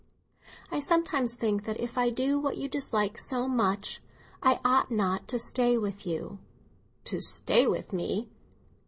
"I sometimes think that if I do what you dislike so much, I ought not to stay with you." "To stay with me?"